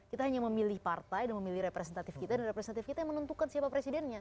kita hanya memilih partai dan memilih representatif kita dan representatif kita yang menentukan siapa presidennya